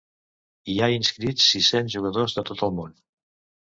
Hi ha inscrits sis-cents jugadors de tot el món.